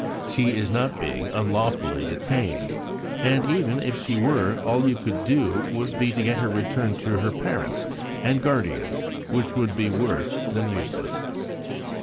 She is not being 'unlawfully detained'; and even if she were, all you could do would be to get her returned to her parents and guardians, which would be worse than useless.